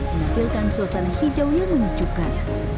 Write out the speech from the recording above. menampilkan suasana hijau yang menyejukkan